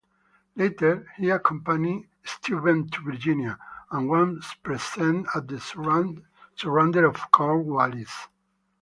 Later he accompanied Steuben to Virginia, and was present at the surrender of Cornwallis.